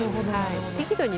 適度に